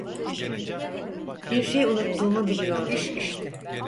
Bir şey unuttuğumu biliyordum.